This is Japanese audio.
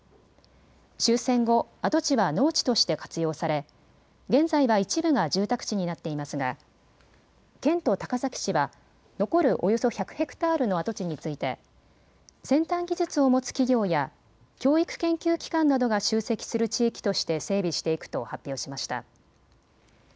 終戦後、跡地は農地として活用され現在は一部が住宅地になっていますが県と高崎市は残るおよそ１００ヘクタールの跡地について先端技術を持つ企業や教育研究機関などが集積する地域として整備していくと発表しました。